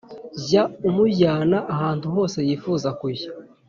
jya umujyana ahantu hose yifuza kujya,